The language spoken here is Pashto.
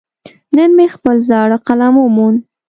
نن مې خپل زاړه قلم وموند.